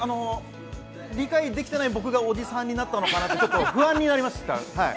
理解できてない僕がおじさんになったのかなって不安になりました。